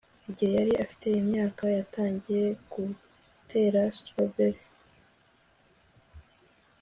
Igihe yari afite imyaka yatangiye gutera strawberry